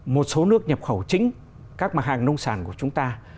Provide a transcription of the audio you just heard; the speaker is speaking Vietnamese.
một số nước nhập khẩu chính các hàng nông sản của chúng ta